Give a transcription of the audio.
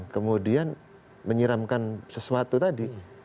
kemudian menyiramkan sesuatu tadi